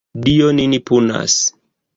Dio nin punas!